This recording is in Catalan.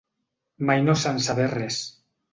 Mai no se'n sabé res.